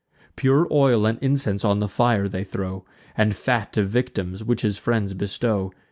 Pure oil and incense on the fire they throw, And fat of victims, which his friends bestow.